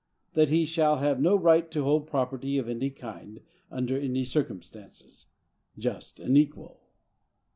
That he shall have no right to hold property of any kind, under any circumstances.—Just and equal!